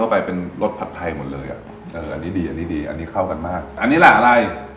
มันดูดซึนน้ำซอสดีจำเลยน้ำซอสมันเข้าไปอยู่ในเส้นแบบว่า